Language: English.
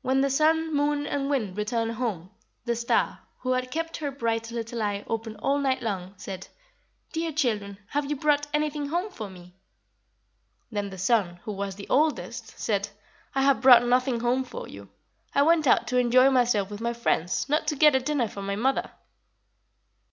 When the Sun, Moon, and Wind returned home, the Star, who had kept her bright little eye open all night long, said: "'Dear children, have you brought anything home for me?' "Then the Sun, who was the oldest, said: 'I have brought nothing home for you. I went out to enjoy myself with my friends, not to get a dinner for my mother.'